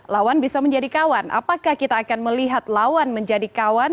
lawan bisa menjadi kawan